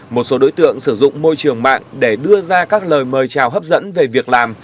một số đối tượng sử dụng môi trường mạng để đưa ra các lời mời chào hấp dẫn về việc làm